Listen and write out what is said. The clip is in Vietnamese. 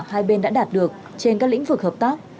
hai bên đã đạt được trên các lĩnh vực hợp tác